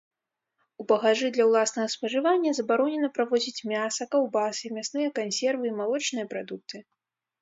У багажы для ўласнага спажывання забаронена правозіць мяса, каўбасы, мясныя кансервы і малочныя прадукты.